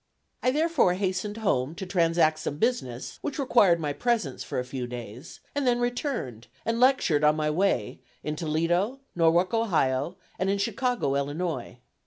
I therefore hastened home to transact some business which required my presence for a few days, and then returned, and lectured on my way in Toledo, Norwalk, Ohio, and Chicago, Illinois.